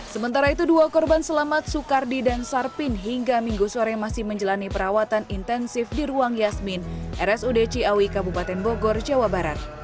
sementara itu dua korban selamat soekardi dan sarpin hingga minggu sore masih menjalani perawatan intensif di ruang yasmin rsud ciawi kabupaten bogor jawa barat